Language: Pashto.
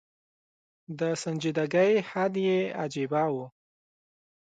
د سنجیدګۍ حد یې عجېبه و.